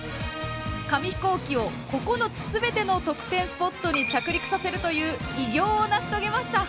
紙ヒコーキを９つ全ての得点スポットに着陸させるという偉業を成し遂げました！